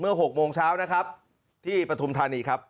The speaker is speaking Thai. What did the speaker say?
๖โมงเช้านะครับที่ปฐุมธานีครับ